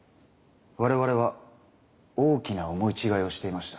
我々は大きな思い違いをしていました。